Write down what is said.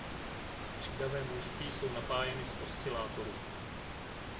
Střídavé můstky jsou napájeny z oscilátoru.